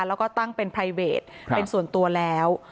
แล้วก็ตั้งเป็นไพรเวทเป็นส่วนตัวแล้ว